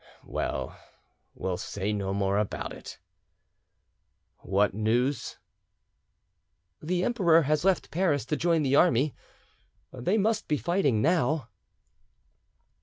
"Well, we'll say no more about it. What news?" "The Emperor has left Paris to join the army. They must be fighting now."